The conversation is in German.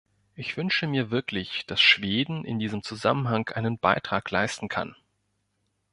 Ich wünsche mir wirklich, dass Schweden in diesem Zusammenhang einen Beitrag leisten kann.